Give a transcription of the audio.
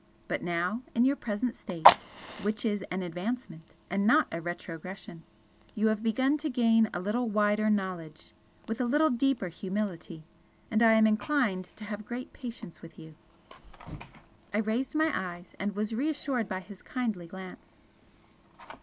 But now, in your present state, which is an advancement, and not a retrogression, you have begun to gain a little wider knowledge, with a little deeper humility and I am inclined to have great patience with you!" I raised my eyes and was reassured by his kindly glance.